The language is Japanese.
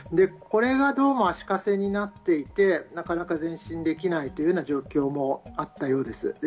これがどうも足かせになっていて、なかなか前進できないっていうような状況もあったようです。